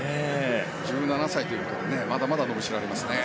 １７歳ということでまだまだ伸びしろありますね。